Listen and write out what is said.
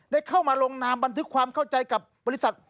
ได้เข้ามาลงนามบันทึกความเข้าใจกับบริษัท